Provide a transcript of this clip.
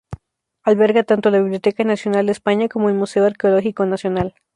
Alberga tanto la Biblioteca Nacional de España como el Museo Arqueológico Nacional.